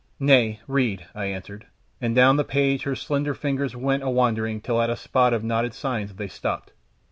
"Nay, read," I answered, and down the page her slender fingers went awandering till at a spot of knotted signs they stopped.